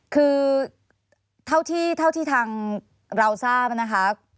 คือเท่าที่ทางเราทราบนะคะ